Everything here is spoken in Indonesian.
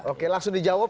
oke langsung dijawab